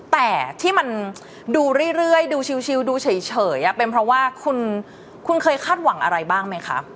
แต่ที่มันดูเรื่อยดูชิวดูเฉยเป็นเพราะว่าคุณเคยคาดหวังอะไรบ้างไหมคะ